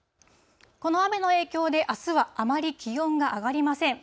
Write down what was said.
この雨の影響で、あすはあまり気温が上がりません。